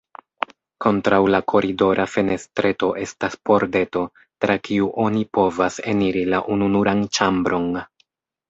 Kontraŭ la koridora fenestreto estas pordeto, tra kiu oni povas eniri la ununuran ĉambron.